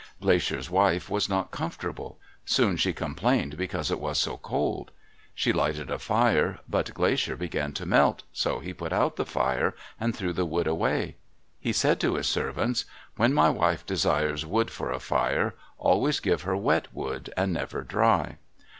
Glacier's wife was not comfortable. Soon she complained because it was so cold. She lighted a fire; but Glacier began to melt, so he put out the fire and threw the wood away. He said to his servants, "When my wife desires wood for a fire, always give her wet wood, and never dry."